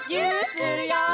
するよ！